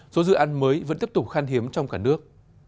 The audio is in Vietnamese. số dự án mới vẫn tiếp tục khan hiếm trong cả nước